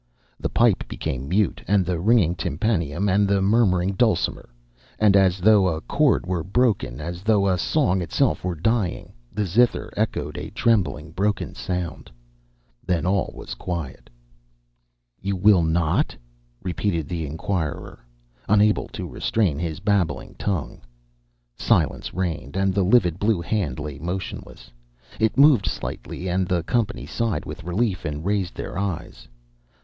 The pipe became mute, and the ringing tympanum and the murmuring dulcimer; and as though a chord were broken, as though song itself were dying, the zither echoed a trembling broken sound. Then all was quiet. "You will not?" repeated the inquirer, unable to restrain his babbling tongue. Silence reigned, and the livid blue hand lay motionless. It moved slightly, and the company sighed with relief and raised their eyes.